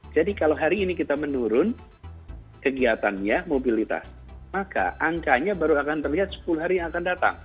jadi kalau hari ini kita menurun kegiatannya mobilitas maka angkanya baru akan terlihat sepuluh hari yang akan datang